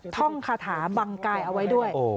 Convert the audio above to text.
ท่องคาถาบังกายเอาไว้ด้วย